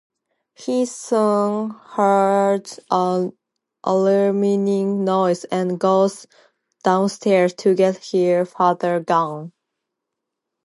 He soon hears an alarming noise and goes downstairs to get his father's gun.